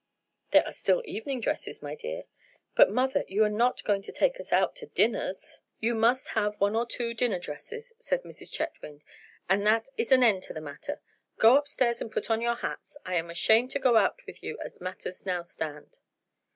"There are still evening dresses, my dear." "But, mother, you are not going to take us out to dinners?" "You must have one or two dinner dresses," said Mrs. Chetwynd, "and that is an end of the matter. Go upstairs and put on your hats. I am ashamed to go out with you as matters now stand."